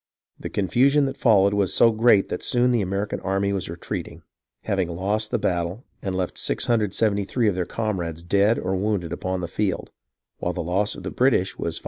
The confusion that followed was so great that soon the American army was retreating, having lost the battle, and left 673 of their comrades dead or wounded upon the field, while the loss of the British was 535.